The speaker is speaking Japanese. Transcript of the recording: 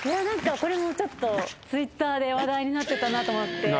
何かこれもちょっとＴｗｉｔｔｅｒで話題になってたなと思って。